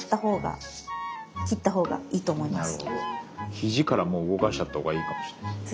肘からもう動かしちゃったほうがいいかもしんないですね。